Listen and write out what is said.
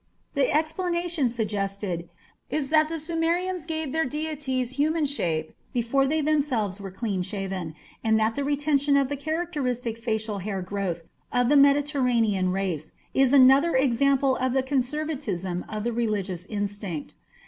The explanation suggested is that the Sumerians gave their deities human shape before they themselves were clean shaven, and that the retention of the characteristic facial hair growth of the Mediterranean Race is another example of the conservatism of the religious instinct.